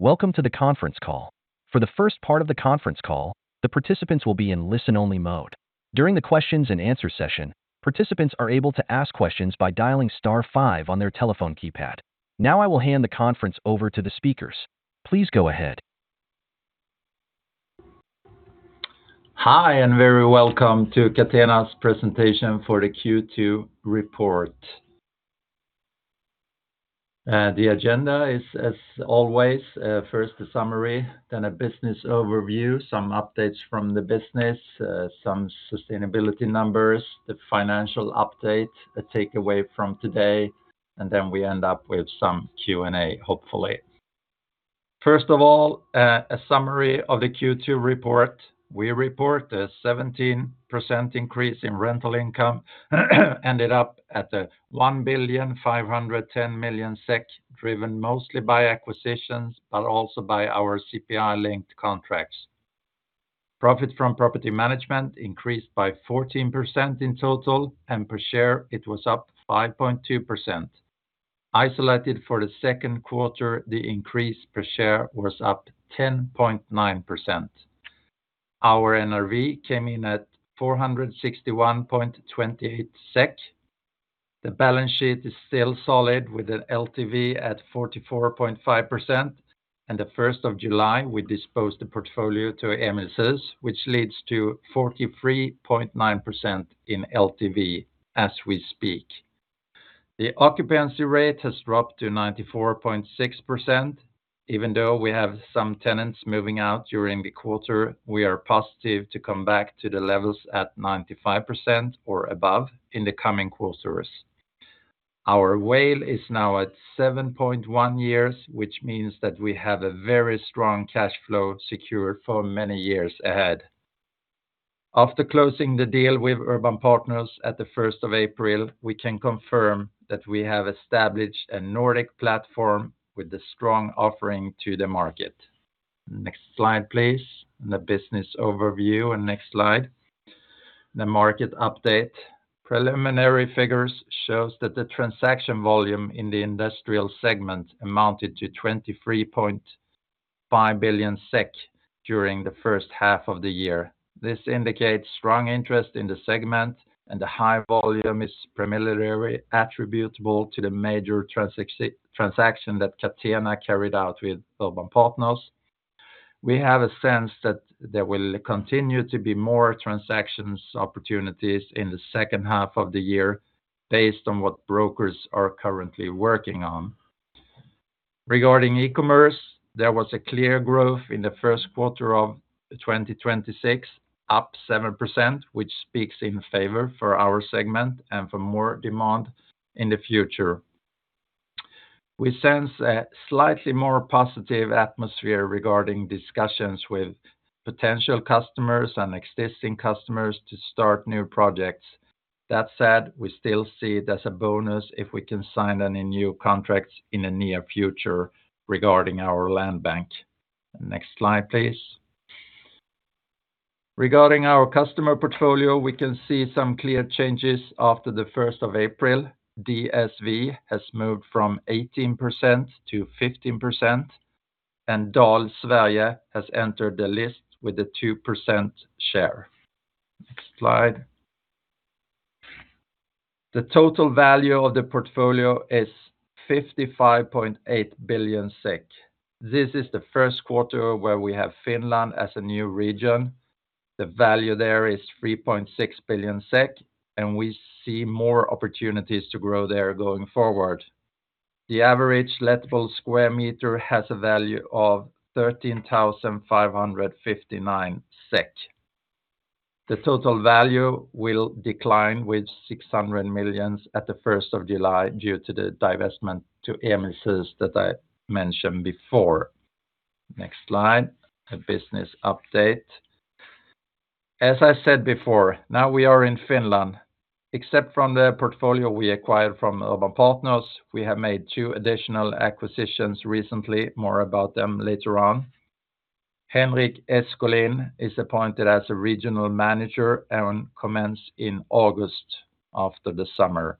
Welcome to the conference call. For the first part of the conference call, the participants will be in listen-only mode. During the questions and answer session, participants are able to ask questions by dialing star five on their telephone keypad. Now I will hand the conference over to the speakers. Please go ahead. Hi, and very welcome to Catena's presentation for the Q2 report. The agenda is, as always, first a summary, then a business overview, some updates from the business, some sustainability numbers, the financial update, a takeaway from today, and then we end up with some Q&A, hopefully. First of all, a summary of the Q2 report. We report a 17% increase in rental income ended up at 1,510,000,000 SEK, driven mostly by acquisitions, but also by our CPI-linked contracts. Profit from property management increased by 14% in total, and per share it was up 5.2%. Isolated for the second quarter, the increase per share was up 10.9%. Our NRV came in at 461.28 SEK. The balance sheet is still solid with an LTV at 44.5%, and the 1st of July we disposed the portfolio to MSC, which leads to 43.9% in LTV as we speak. The occupancy rate has dropped to 94.6%. Even though we have some tenants moving out during the quarter, we are positive to come back to the levels at 95% or above in the coming quarters. Our WALE is now at 7.1 years, which means that we have a very strong cash flow secure for many years ahead. After closing the deal with Urban Partners at the 1st of April, we can confirm that we have established a Nordic platform with the strong offering to the market. Next slide, please. The business overview. Next slide. The market update. Preliminary figures shows that the transaction volume in the industrial segment amounted to 23.5 billion SEK during the first half of the year. This indicates strong interest in the segment, and the high volume is preliminary attributable to the major transaction that Catena carried out with Urban Partners. We have a sense that there will continue to be more transactions opportunities in the second half of the year based on what brokers are currently working on. Regarding e-commerce, there was a clear growth in the first quarter of 2026, up 7%, which speaks in favor for our segment and for more demand in the future. We sense a slightly more positive atmosphere regarding discussions with potential customers and existing customers to start new projects. That said, we still see it as a bonus if we can sign any new contracts in the near future regarding our land bank. Next slide, please. Regarding our customer portfolio, we can see some clear changes after the 1st of April. DSV has moved from 18% to 15%, and Dahl Sverige has entered the list with a 2% share. Next slide. The total value of the portfolio is 55.8 billion SEK. This is the first quarter where we have Finland as a new region. The value there is 3.6 billion SEK, and we see more opportunities to grow there going forward. The average lettable square meter has a value of 13,559 SEK. The total value will decline with 600 million at the 1st of July due to the divestment to MSC that I mentioned before. Next slide. A business update. As I said before, now we are in Finland. Except from the portfolio we acquired from Urban Partners, we have made two additional acquisitions recently. More about them later on. Henrik Eskolin is appointed as a Regional Manager and commenced in August after the summer.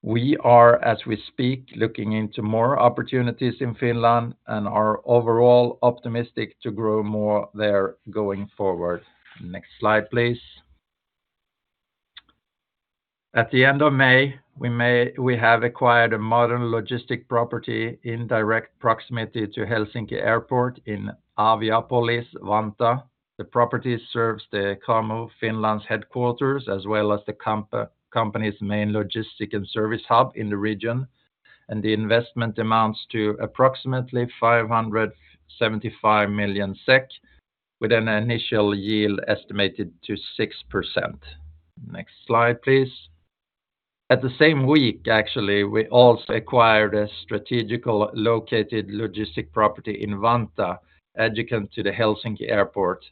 We are, as we speak, looking into more opportunities in Finland and are overall optimistic to grow more there going forward. Next slide, please. At the end of May, we have acquired a modern logistic property in direct proximity to Helsinki Airport in Aviapolis, Vantaa. The property serves the Cramo Finland's headquarters as well as the company's main logistic and service hub in the region, and the investment amounts to approximately 575 million SEK with an initial yield estimated to 6%. Next slide, please. At the same week, actually, we also acquired a strategically located logistic property in Vantaa, adjacent to the Helsinki Airport.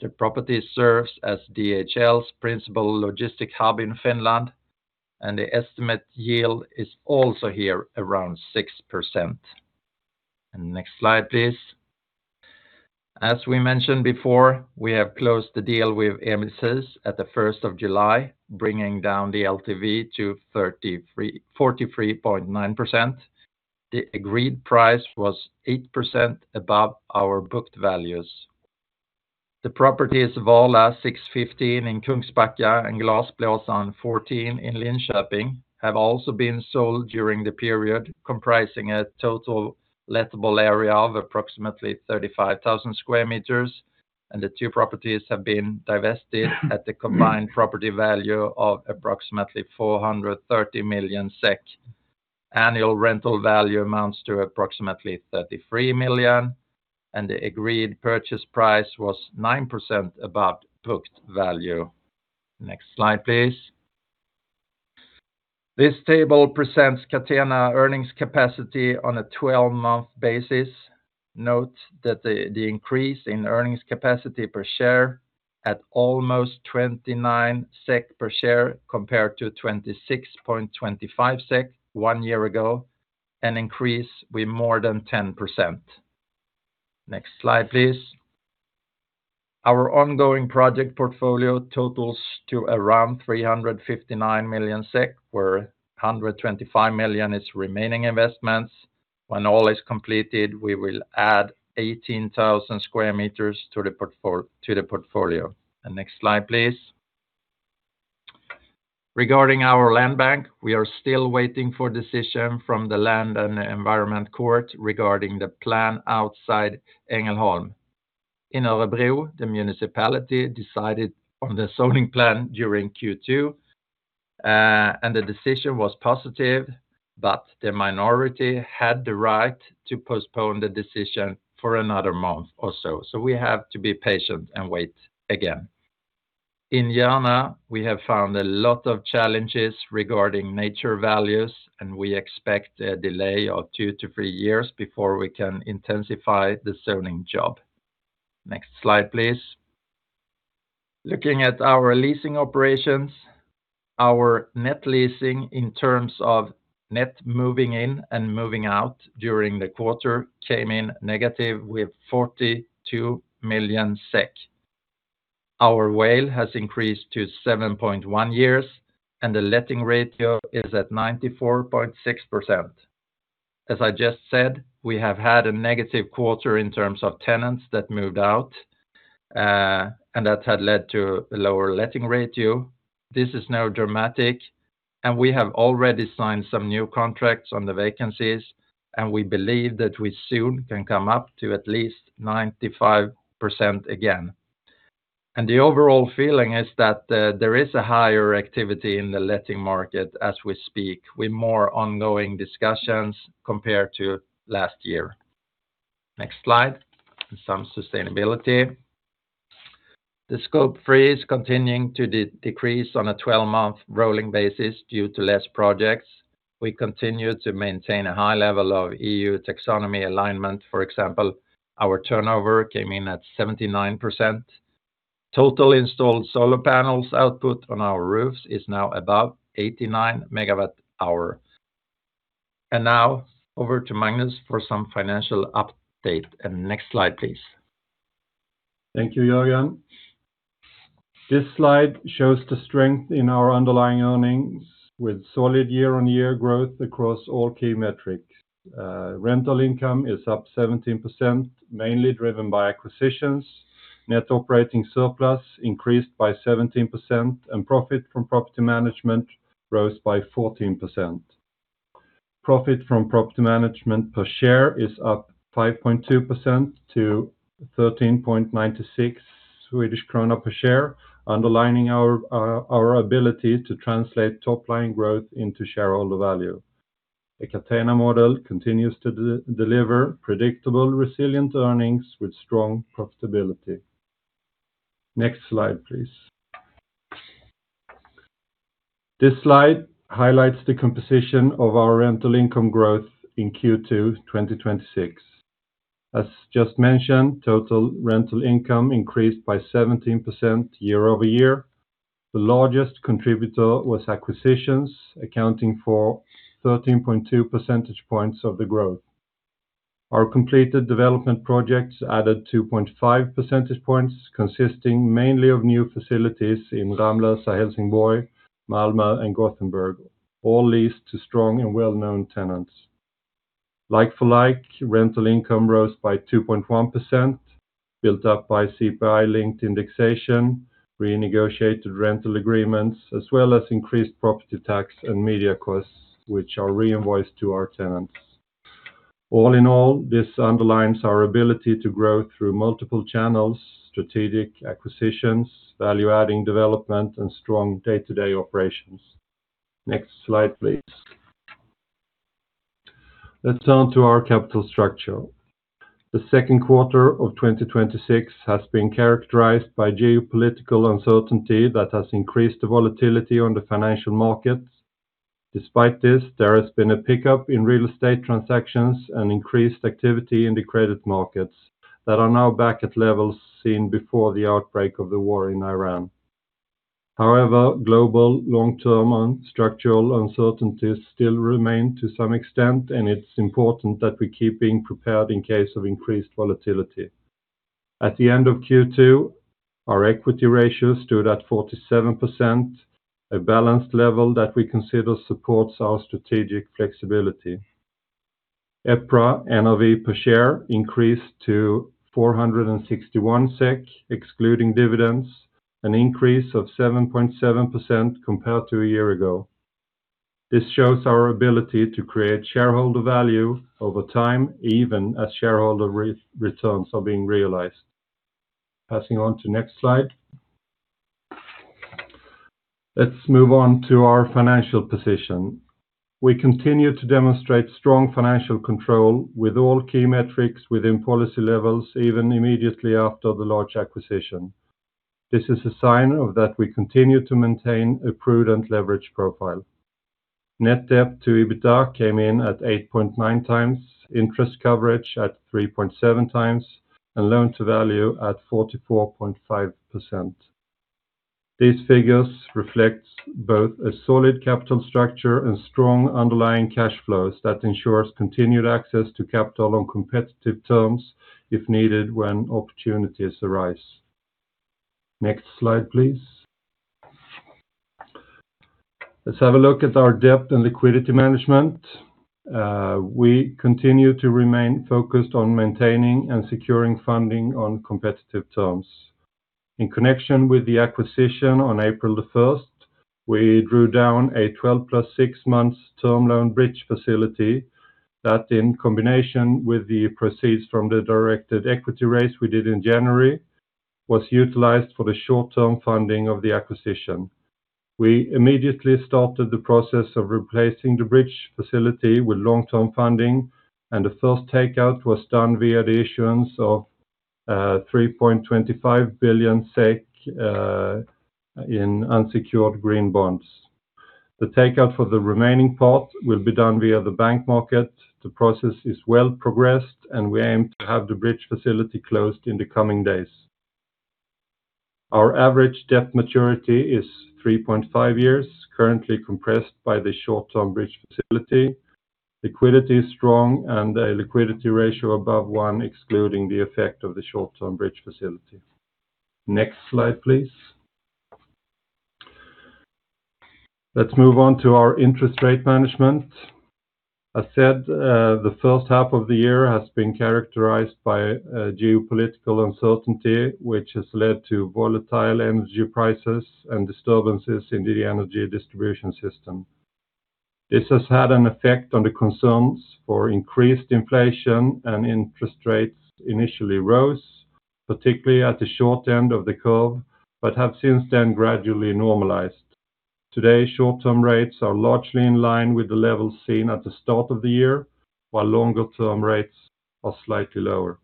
The property serves as DHL's principal logistic hub in Finland, and the estimate yield is also here around 6%. Next slide, please. As we mentioned before, we have closed the deal with MSC at the 1st of July, bringing down the LTV to 43.9%. The agreed price was 8% above our booked values. The properties Valla 6:15 in Kungsbacka and Glasblåsan 14 in Linköping have also been sold during the period, comprising a total lettable area of approximately 35,000 sq m, and the two properties have been divested at the combined property value of approximately 430 million SEK. Annual rental value amounts to approximately 33 million, and the agreed purchase price was 9% above booked value. Next slide, please. This table presents Catena earnings capacity on a 12-month basis. Note that the increase in earnings capacity per share at almost 29 SEK per share compared to 26.25 SEK one year ago, an increase with more than 10%. Next slide, please. Our ongoing project portfolio totals to around 359 million SEK, where 125 million is remaining investments. When all is completed, we will add 18,000 sq m to the portfolio. Next slide, please. Regarding our land bank, we are still waiting for decision from the Land and Environment Court regarding the plan outside Ängelholm. In Örebro, the municipality decided on the zoning plan during Q2, and the decision was positive, but the minority had the right to postpone the decision for another month or so. We have to be patient and wait again. In Järna, we have found a lot of challenges regarding nature values, and we expect a delay of two to three years before we can intensify the zoning job. Next slide, please. Looking at our leasing operations, our net leasing in terms of net moving in and moving out during the quarter came in negative with 42 million SEK. Our WALE has increased to 7.1 years, and the letting ratio is at 94.6%. As I just said, we have had a negative quarter in terms of tenants that moved out, that had led to a lower letting ratio. This is now dramatic, we have already signed some new contracts on the vacancies, and we believe that we soon can come up to at least 95% again. The overall feeling is that there is a higher activity in the letting market as we speak, with more ongoing discussions compared to last year. Next slide. Some sustainability. Scope 3 is continuing to decrease on a 12-month rolling basis due to less projects. We continue to maintain a high level of EU taxonomy alignment. For example, our turnover came in at 79%. Total installed solar panels output on our roofs is now above 89 MWh. Now over to Magnus for some financial update. Next slide, please. Thank you, Jörgen. This slide shows the strength in our underlying earnings with solid year-on-year growth across all key metrics. Rental income is up 17%, mainly driven by acquisitions. Net Operating Surplus increased by 17%, and profit from property management rose by 14%. Profit from property management per share is up 5.2% to 13.96 Swedish krona per share, underlining our ability to translate top-line growth into shareholder value. The Catena model continues to deliver predictable, resilient earnings with strong profitability. Next slide, please. This slide highlights the composition of our rental income growth in Q2 2026. As just mentioned, total rental income increased by 17% year-over-year. The largest contributor was acquisitions, accounting for 13.2 percentage points of the growth. Our completed development projects added 2.5 percentage points, consisting mainly of new facilities in Ramlösa, Helsingborg, Malmö, and Gothenburg, all leased to strong and well-known tenants. Like-for-like rental income rose by 2.1%, built up by CPI-linked indexation, renegotiated rental agreements, as well as increased property tax and media costs, which are reinvoiced to our tenants. All in all, this underlines our ability to grow through multiple channels, strategic acquisitions, value-adding development, and strong day-to-day operations. Next slide, please. Let's turn to our capital structure. The second quarter of 2026 has been characterized by geopolitical uncertainty that has increased the volatility on the financial markets. Despite this, there has been a pickup in real estate transactions and increased activity in the credit markets that are now back at levels seen before the outbreak of the war in Iran. Global long-term structural uncertainties still remain to some extent, and it's important that we keep being prepared in case of increased volatility. At the end of Q2, our equity ratio stood at 47%, a balanced level that we consider supports our strategic flexibility. EPRA NAV per share increased to 461 SEK, excluding dividends, an increase of 7.7% compared to a year ago. This shows our ability to create shareholder value over time, even as shareholder returns are being realized. Passing on to next slide. Let's move on to our financial position. We continue to demonstrate strong financial control with all key metrics within policy levels, even immediately after the large acquisition. This is a sign that we continue to maintain a prudent leverage profile. Net debt to EBITDA came in at 8.9x, interest coverage at 3.7x, and loan to value at 44.5%. These figures reflect both a solid capital structure and strong underlying cash flows that ensures continued access to capital on competitive terms, if needed, when opportunities arise. Next slide, please. Let's have a look at our debt and liquidity management. We continue to remain focused on maintaining and securing funding on competitive terms. In connection with the acquisition on April 1st, we drew down a 12+ six months term loan bridge facility that, in combination with the proceeds from the directed equity raise we did in January, was utilized for the short-term funding of the acquisition. We immediately started the process of replacing the bridge facility with long-term funding, and the first takeout was done via the issuance of 3.25 billion SEK in unsecured green bonds. The takeout for the remaining part will be done via the bank market. The process is well progressed, and we aim to have the bridge facility closed in the coming days. Our average debt maturity is 3.5 years, currently compressed by the short-term bridge facility. Liquidity is strong, the liquidity ratio above one, excluding the effect of the short-term bridge facility. Next slide, please. Let's move on to our interest rate management. I said the first half of the year has been characterized by geopolitical uncertainty, which has led to volatile energy prices and disturbances in the energy distribution system. This has had an effect on the concerns for increased inflation and interest rates initially rose, particularly at the short end of the curve, but have since then gradually normalized. Today, short-term rates are largely in line with the levels seen at the start of the year, while longer-term rates are slightly lower.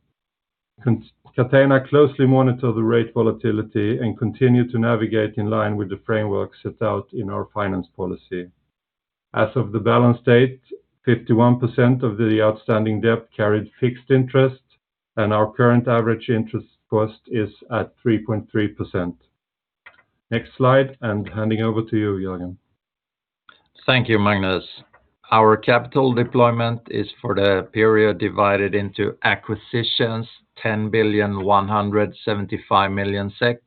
Catena closely monitor the rate volatility and continue to navigate in line with the framework set out in our finance policy. As of the balance date, 51% of the outstanding debt carried fixed interest. Our current average interest cost is at 3.3%. Next slide, handing over to you, Jörgen. Thank you, Magnus. Our capital deployment is for the period divided into acquisitions 10 billion, 175 million SEK,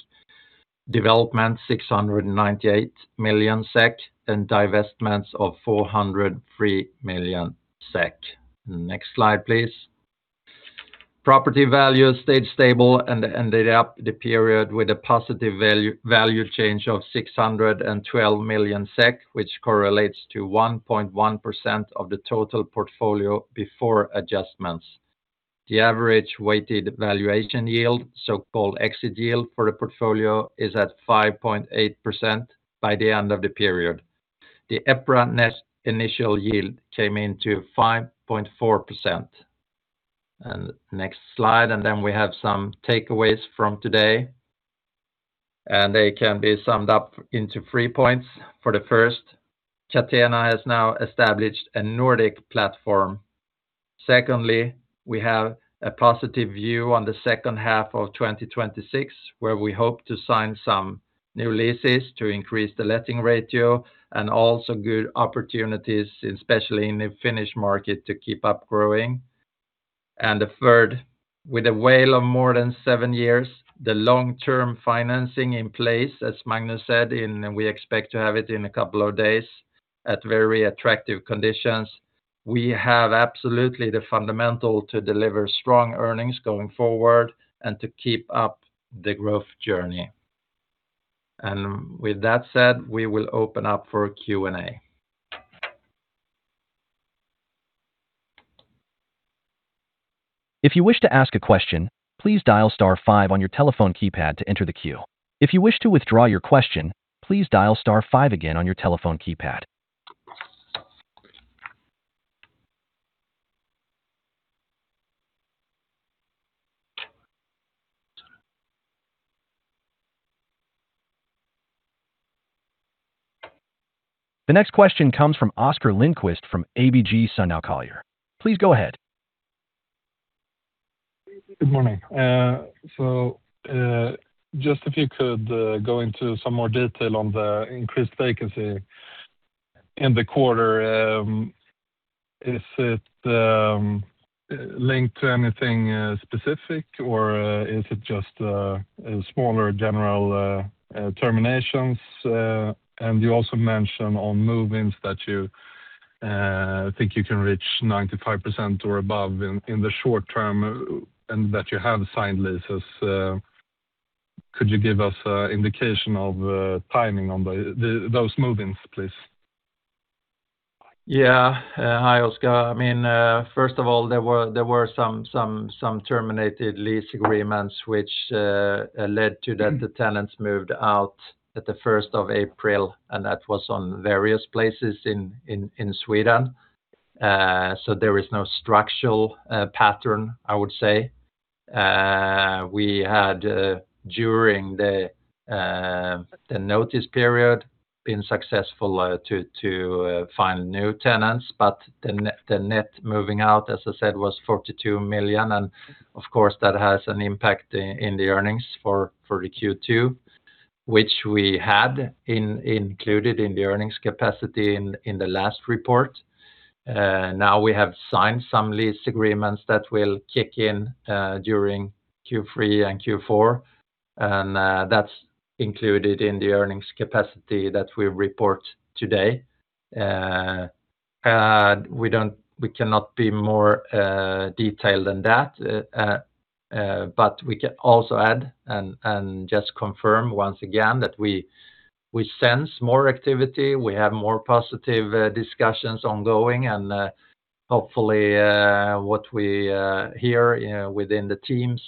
development 698 million SEK, and divestments of 403 million SEK. Next slide, please. Property values stayed stable and ended up the period with a positive value change of 612 million SEK, which correlates to 1.1% of the total portfolio before adjustments. The average weighted valuation yield, so-called exit yield for the portfolio, is at 5.8% by the end of the period. The EPRA net initial yield came in to 5.4%. Next slide, then we have some takeaways from today, they can be summed up into three points. For the first, Catena has now established a Nordic platform. Secondly, we have a positive view on the second half of 2026, where we hope to sign some new leases to increase the letting ratio and also good opportunities, especially in the Finnish market, to keep up growing. The third, with a WALE of more than seven years, the long-term financing in place, as Magnus said, we expect to have it in a couple of days at very attractive conditions. We have absolutely the fundamentals to deliver strong earnings going forward and to keep up the growth journey. With that said, we will open up for Q&A. If you wish to ask a question, please dial star five on your telephone keypad to enter the queue. If you wish to withdraw your question, please dial star five again on your telephone keypad. The next question comes from Oscar Lindquist from ABG Sundal Collier. Please go ahead. Good morning. Just if you could go into some more detail on the increased vacancy in the quarter. Is it linked to anything specific or is it just smaller general terminations? You also mention on move-ins that you think you can reach 95% or above in the short term and that you have signed leases. Could you give us an indication of timing on those move-ins, please? Yeah. Hi, Oscar. First of all, there were some terminated lease agreements which led to the tenants moving out on the 1st of April, and that was on various places in Sweden. There is no structural pattern, I would say. We had, during the notice period, been successful to find new tenants, but the net moving out, as I said, was 42 million. Of course, that has an impact in the earnings for the Q2, which we had included in the earnings capacity in the last report. Now we have signed some lease agreements that will kick in during Q3 and Q4, and that's included in the earnings capacity that we report today. We cannot be more detailed than that. We can also add and just confirm once again that we sense more activity. We have more positive discussions ongoing, hopefully what we hear within the teams,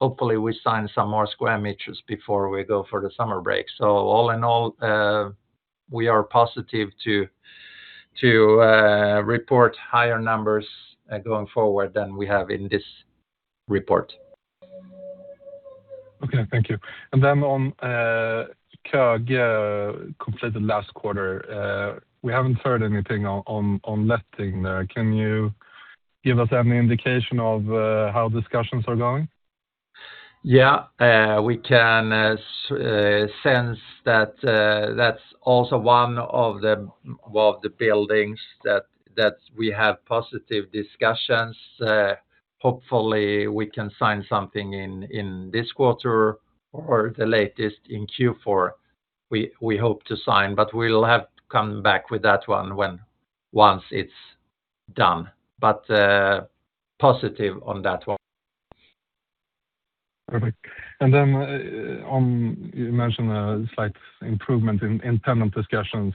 hopefully we sign some more square meters before we go for the summer break. All in all, we are positive to report higher numbers going forward than we have in this report. Okay. Thank you. Then on Køge completed last quarter. We haven't heard anything on letting there. Can you give us any indication of how discussions are going? Yeah. We can sense that's also one of the buildings that we have positive discussions. Hopefully, we can sign something in this quarter or the latest in Q4 we hope to sign. We'll have to come back with that one once it's done. Positive on that one. Perfect. Then you mentioned a slight improvement in tenant discussions.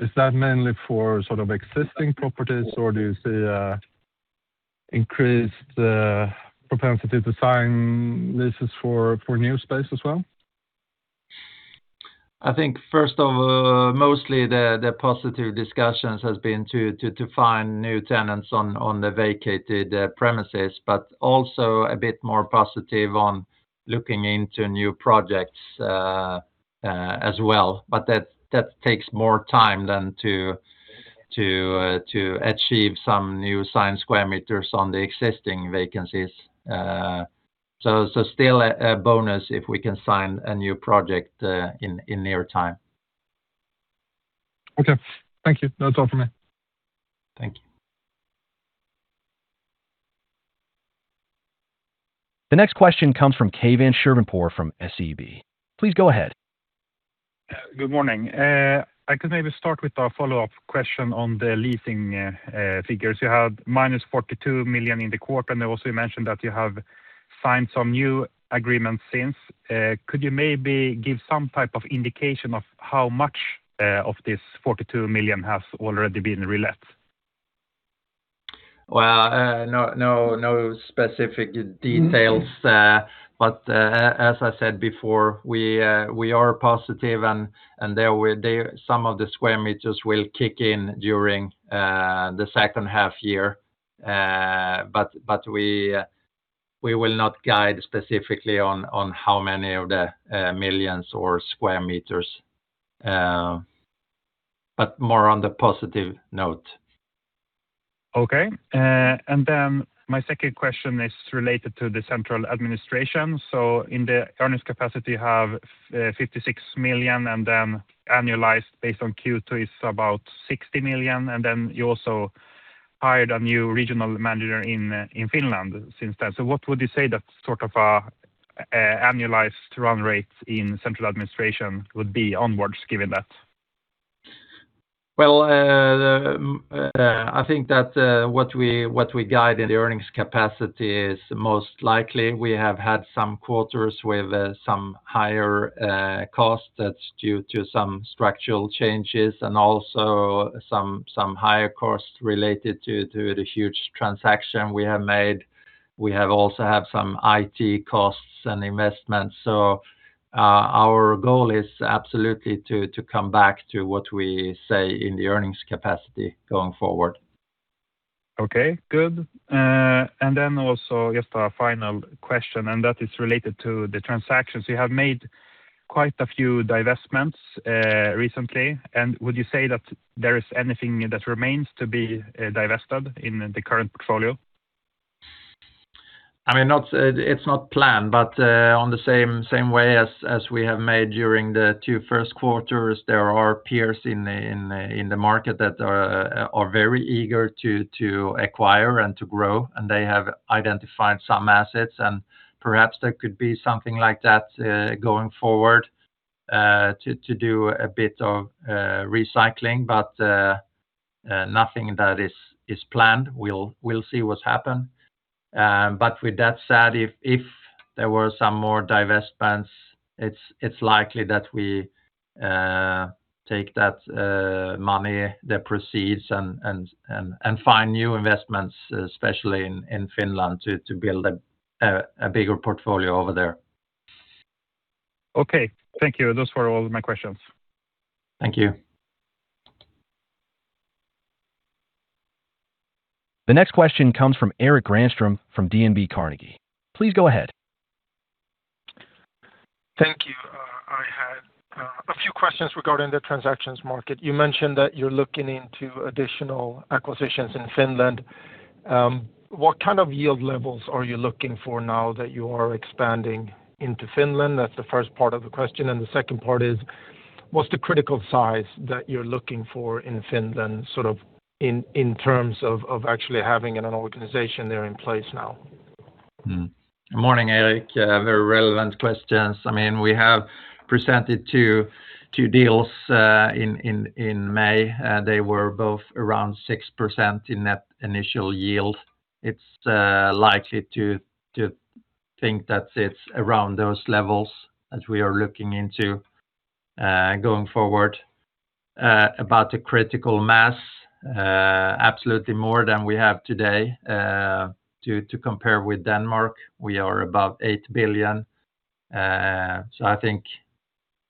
Is that mainly for sort of existing properties, or do you see increased propensity to sign leases for new space as well? I think first of all, mostly the positive discussions has been to find new tenants on the vacated premises, also a bit more positive on looking into new projects as well. That takes more time than to achieve some new signed square meters on the existing vacancies. Still a bonus if we can sign a new project in near time. Okay. Thank you. That's all from me. Thank you. The next question comes from Keivan Shirvanpour from SEB. Please go ahead. Good morning. I could maybe start with a follow-up question on the leasing figures. You had -42 million in the quarter, also you mentioned that you have signed some new agreements since. Could you maybe give some type of indication of how much of this 42 million has already been relet? Well, no specific details. As I said before, we are positive, and some of the square meters will kick in during the second half year. We will not guide specifically on how many of the millions or square meters, but more on the positive note. Okay. My second question is related to the central administration. In the earnings capacity, you have 56 million, then annualized based on Q2 is about 60 million. You also hired a new Regional Manager in Finland since then. What would you say that sort of annualized run rate in central administration would be onwards given that? Well, I think that what we guide in the earnings capacity is most likely we have had some quarters with some higher costs that is due to some structural changes and also some higher costs related to the huge transaction we have made. We have also had some IT costs and investments. Our goal is absolutely to come back to what we say in the earnings capacity going forward. Okay, good. Also just a final question. That is related to the transactions you have made. Quite a few divestments recently. Would you say that there is anything that remains to be divested in the current portfolio? It's not planned. On the same way as we have made during the two first quarters, there are peers in the market that are very eager to acquire and to grow. They have identified some assets. Perhaps there could be something like that going forward to do a bit of recycling. Nothing that is planned. We'll see what's happened. With that said, if there were some more divestments, it's likely that we take that money, the proceeds, and find new investments, especially in Finland, to build a bigger portfolio over there. Okay. Thank you. Those were all my questions. Thank you. The next question comes from Erik Granström from DNB Carnegie. Please go ahead. Thank you. I had a few questions regarding the transactions market. You mentioned that you're looking into additional acquisitions in Finland. What kind of yield levels are you looking for now that you are expanding into Finland? That's the first part of the question. The second part is, what's the critical size that you're looking for in Finland in terms of actually having an organization there in place now? Morning, Erik. Very relevant questions. We have presented two deals in May. They were both around 6% in that initial yield. It's likely to think that it's around those levels as we are looking into going forward. About the critical mass, absolutely more than we have today. To compare with Denmark, we are about 8 billion. I think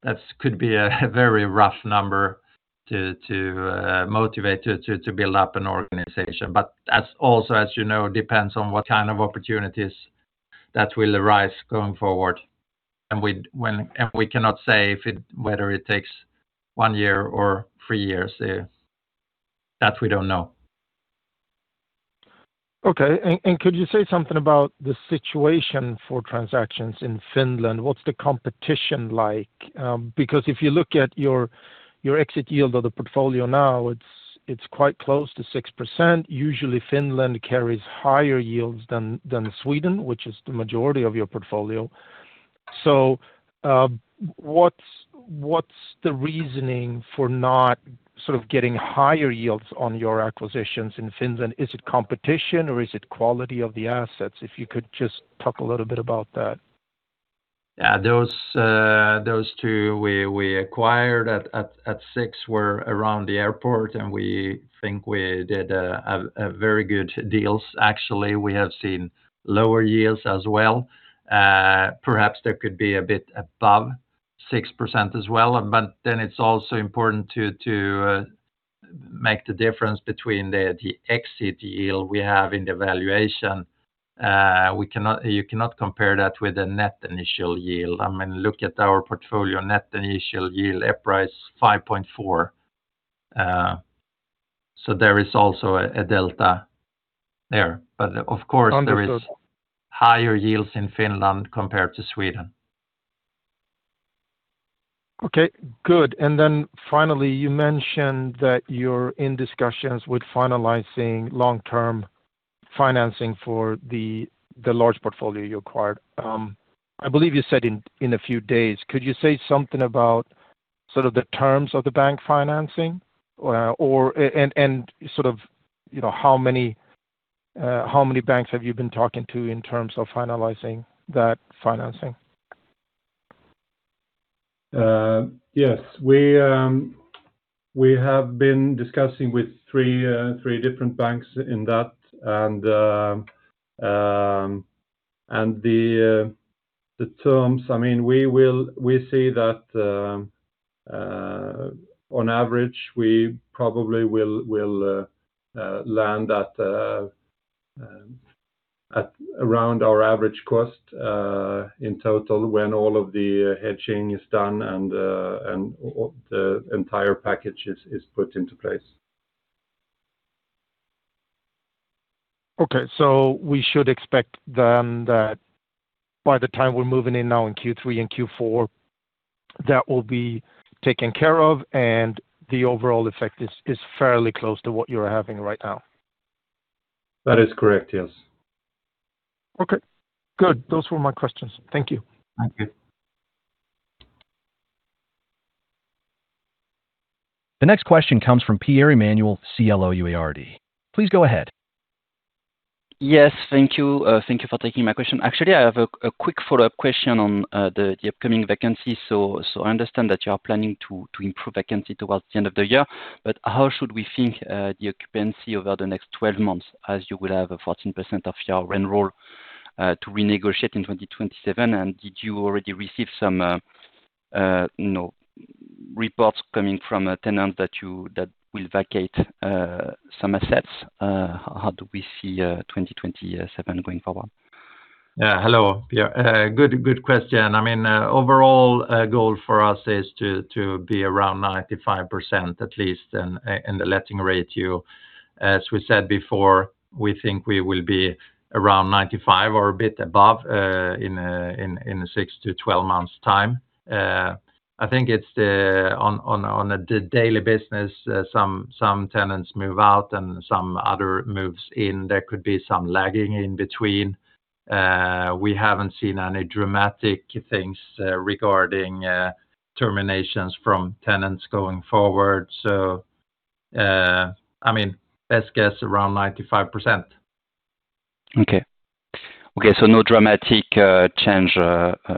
that could be a very rough number to motivate to build up an organization. That also, as you know, depends on what kind of opportunities that will arise going forward. We cannot say whether it takes one year or three years. That we don't know. Okay. Could you say something about the situation for transactions in Finland? What's the competition like? Because if you look at your exit yield of the portfolio now, it's quite close to 6%. Usually Finland carries higher yields than Sweden, which is the majority of your portfolio. What's the reasoning for not getting higher yields on your acquisitions in Finland? Is it competition or is it quality of the assets? If you could just talk a little bit about that. Yeah. Those two we acquired at six were around the airport, and we think we did very good deals, actually. We have seen lower yields as well. Perhaps there could be a bit above 6% as well. It's also important to make the difference between the exit yield we have in the valuation. You cannot compare that with the net initial yield. Look at our portfolio net initial yield, EPRA is 5.4. There is also a delta there. Of course- Understood There is higher yields in Finland compared to Sweden. Okay, good. Finally, you mentioned that you're in discussions with finalizing long-term financing for the large portfolio you acquired. I believe you said in a few days. Could you say something about the terms of the bank financing, and how many banks have you been talking to in terms of finalizing that financing? Yes. We have been discussing with three different banks in that. The terms, we see that, on average, we probably will land at around our average cost in total when all of the hedging is done and the entire package is put into place. We should expect then that by the time we're moving in now in Q3 and Q4, that will be taken care of, and the overall effect is fairly close to what you are having right now. That is correct, yes. Okay, good. Those were my questions. Thank you. Thank you. The next question comes from Pierre-Emmanuel Clouard. Please go ahead. Yes. Thank you. Thank you for taking my question. Actually, I have a quick follow-up question on the upcoming vacancy. I understand that you are planning to improve vacancy towards the end of the year, but how should we think the occupancy over the next 12 months as you will have a 14% of your rent roll to renegotiate in 2027? Did you already receive some reports coming from a tenant that will vacate some assets. How do we see 2027 going forward? Hello, Pierre. Good question. Overall goal for us is to be around 95% at least in the letting ratio. As we said before, we think we will be around 95 or a bit above in six to 12 months' time. I think on the daily business, some tenants move out and some other moves in. There could be some lagging in between. We haven't seen any dramatic things regarding terminations from tenants going forward. Best guess, around 95%. Okay. No dramatic change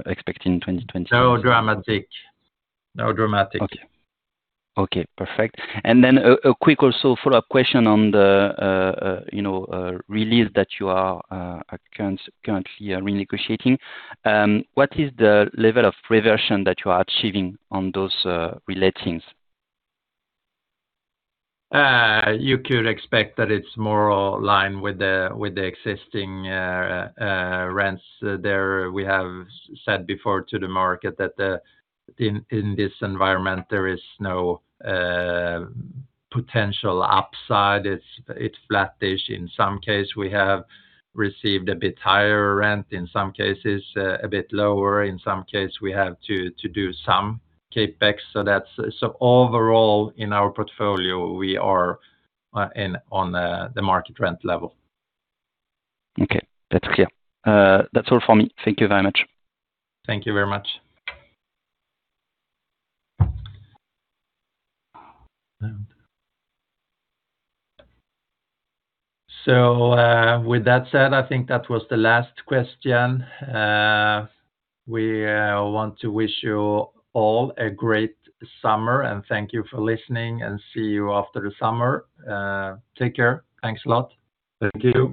expect in 2027. No dramatic. Okay. Perfect. A quick also follow-up question on the lease that you are currently renegotiating. What is the level of reversion that you are achieving on those re-lettings? You could expect that it's more aligned with the existing rents there. We have said before to the market that in this environment, there is no potential upside. It's flat-ish. In some case, we have received a bit higher rent. In some cases, a bit lower. In some case, we have to do some CapEx. Overall, in our portfolio, we are on the market rent level. Okay. That's clear. That's all for me. Thank you very much. Thank you very much. With that said, I think that was the last question. We want to wish you all a great summer, and thank you for listening, and see you after the summer. Take care. Thanks a lot. Thank you